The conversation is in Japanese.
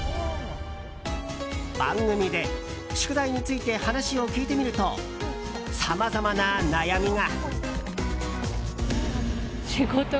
番組で宿題について話を聞いてみるとさまざまな悩みが。